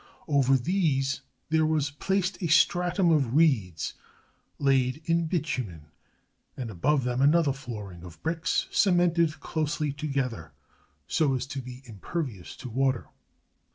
Over these there was placed a stratum of reeds, laid in bitumen, and above them another flooring of bricks, cemented closely together, so as to be impervious to water.